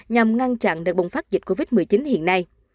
nhằm ngăn chặn đợt bùng phát dịch covid một mươi chín hiện nay